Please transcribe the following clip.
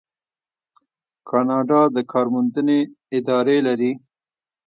کاناډا د کار موندنې ادارې لري.